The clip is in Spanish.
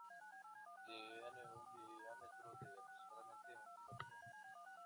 Tiene un diámetro de aproximadamente un kilómetro.